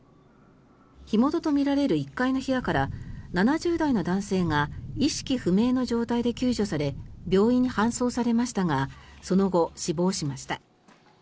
火元とみられる１階の部屋から７０代の男性が意識不明の状態で救助され病院に搬送されましたがその後、死亡しました。